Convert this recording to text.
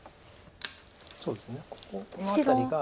そうですねこの辺りが。